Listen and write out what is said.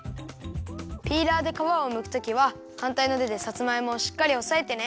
ピーラーでかわをむくときははんたいのてでさつまいもをしっかりおさえてね。